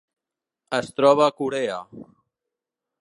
Es troba a Corea.